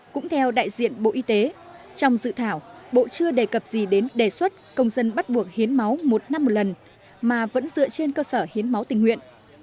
cũng theo đại diện bộ y tế trong dự thảo bộ chưa đề cập gì đến đề xuất công dân bắt buộc hiến máu một năm một lần mà vẫn dựa trên cơ sở hiến máu tình nguyện